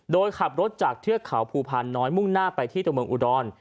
โดยขับรถจากเทือกเขาภูพานน้อยมุ่งหน้าไปที่ตัวเมืองอุดร